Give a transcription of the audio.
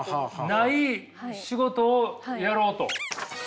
ない仕事をやろうと。